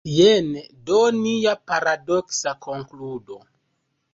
Jen do nia paradoksa konkludo.